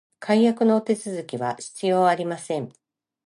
解約のお手続きは必要ありません